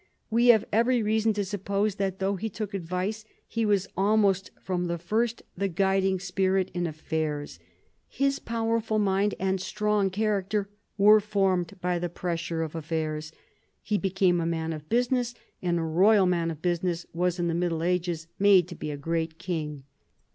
We have every reason to suppose that though he took advice, he was almost from the first the guiding spirit in affairs. His powerful mind and strong character were formed by the pressure of affairs. He became a man of business, and a royal man of business was in the Middle Ages made to be a great king.